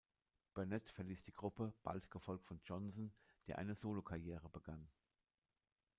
Burnett verließ die Gruppe, bald gefolgt von Johnson, der eine Solo-Karriere begann.